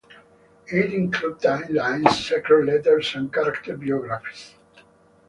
It included time lines, secret letters, and character biographies.